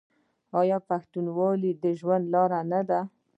آیا پښتونولي د ژوند لاره نه ده؟